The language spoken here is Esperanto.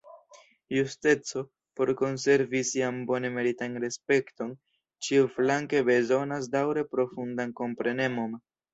Justeco, por konservi sian bone meritan respekton, ĉiuflanke bezonas daŭre profundan komprenemon.